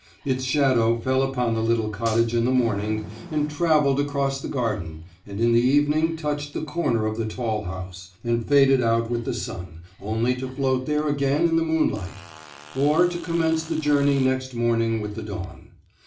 Its shadow fell upon the little cottage in the morning, and travelled across the garden, and in the evening touched the corner of the tall house, and faded out with the sun, only to float there again in the moonlight, or to commence the journey next morning with the dawn.